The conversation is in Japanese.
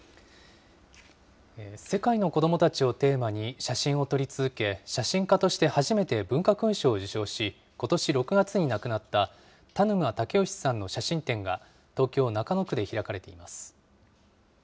世界の子どもたちをテーマに写真を撮り続け、写真家として初めて文化勲章を受章し、ことし６月に亡くなった田沼武能さんの写真展が東京・中野区で開かれています。